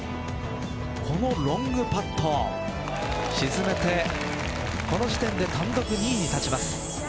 このロングパット沈めてこの時点で単独２位に立ちます。